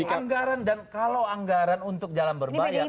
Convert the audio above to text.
ini anggaran dan kalau anggaran untuk jalan berbayar